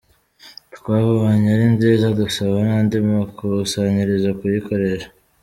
Twabonye ari nziza dusaba n’andi makusanyirizo kuyikoresha ».